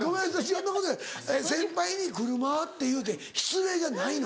そんなことより先輩に「車ぁ」って言うて失礼じゃないの？